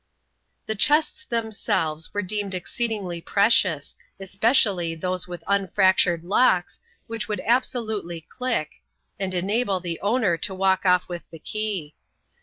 The chests themselves were deemed exceedingly precious, especially those with unfractured locks, which would absolutely c^Jick, and enable the owner to walk off with the key.